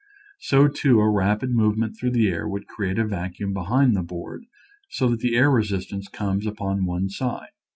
So, too, a rapid movement through the air would create a vacuum behind the board so that the air resistance comes upon one side.